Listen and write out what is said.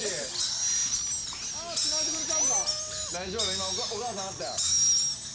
今、お母さん会ったよ。